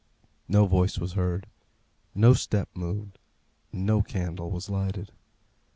No voice was heard; no step moved; no candle was lighted.